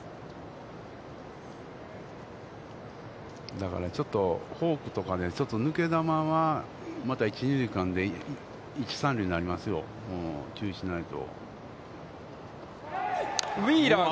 だからちょっと、フォークとかで、抜け球は、また一・二塁間で一・三塁になりますよ注意しないと。